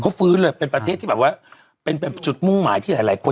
เขาฟื้นเลยเป็นประเทศที่แบบว่าเป็นจุดมุ่งหมายที่หลายหลายคน